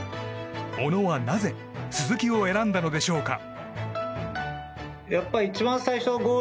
小野はなぜ鈴木を選んだのでしょうか。